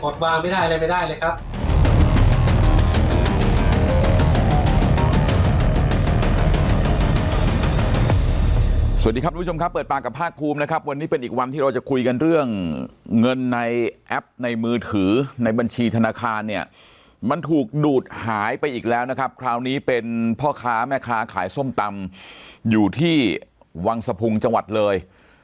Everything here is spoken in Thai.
สวัสดีครับทุกผู้ชมครับเปิดปากกับภาคภูมินะครับวันนี้เป็นอีกวันที่เราจะคุยกันเรื่องเงินในแอปในมือถือในบัญชีธนาคารเนี่ยมันถูกดูดหายไปอีกแล้วนะครับคราวนี้เป็นพ่อค้าแม่ค้าขายส้มตำอยู่ที่วังสะพุงจังหวัดเลย